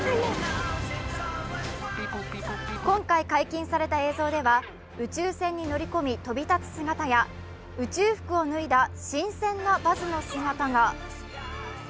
今回、解禁された映像では宇宙船に乗り込み飛び立つ姿や、宇宙服を脱いだ新鮮なバズの姿が。